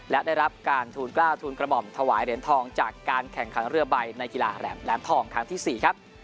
และได้รับการทูลกล้าวทูลกระหม่อมถวายเหรียญทองจากการแข่งขันเรือใบในกีฬาแหลมทองครั้งที่๔ครับ